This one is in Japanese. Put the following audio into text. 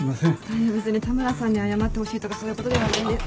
いや別に田村さんに謝ってほしいとかそういうことではないんで。